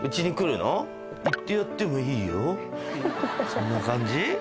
そんな感じ？